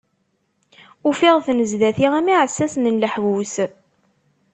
Ufiɣ-ten sdat-i am yiɛessasen n leḥbus.